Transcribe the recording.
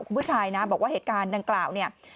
คุณผู้ชายนะบอกว่าเหตุการณ์ดังกล่าวเนี่ย